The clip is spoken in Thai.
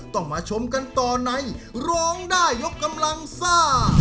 ต้องมาชมกันต่อในร้องได้ยกกำลังซ่า